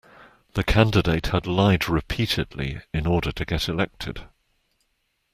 The candidate had lied repeatedly in order to get elected